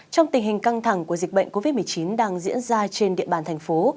trong tình hình căng thẳng của dịch bệnh covid một mươi chín đang diễn ra trên địa bàn thành phố